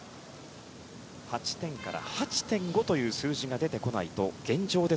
８点から８．５という数字が出てこないと現状で